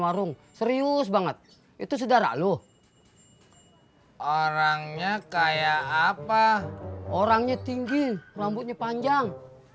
warung serius banget itu sedara loh orangnya kayak apa orangnya tinggi rambutnya panjang